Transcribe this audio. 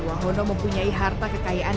wahono mempunyai harta kekayaan